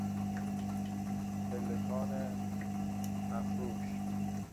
پلکان مفروش